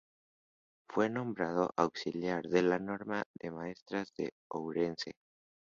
Fue nombrado auxiliar de la Normal de Maestras de Ourense.